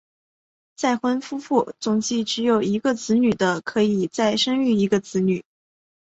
再婚夫妇总计只有一个子女的可以再生育一个子女。